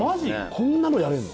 こんなのやれるの？